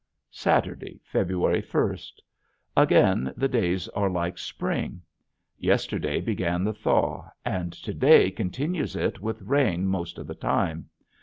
Saturday, February first. Again the days are like spring. Yesterday began the thaw and today continues it with rain most of the time.